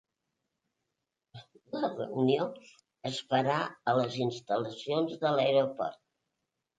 La reunió es farà les instal·lacions de l’aeroport.